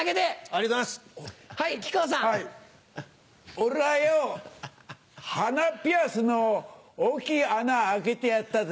俺はよ鼻ピアスの大きい穴開けてやったぜ。